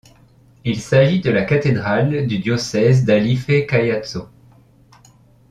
Il s'agit de la cathédrale du diocèse d'Alife-Caiazzo.